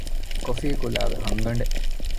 ކޮފީކުލައިގެ ހަންގަނޑެއް